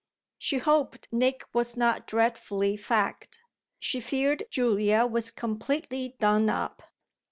She hoped Nick was not dreadfully fagged she feared Julia was completely done up.